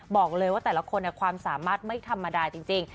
บอกเลยว่าแต่ละคนความสามารถไม่ธรรมดาจริง